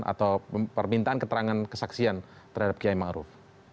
atau permintaan keterangan kesaksian terhadap ki ma'ruf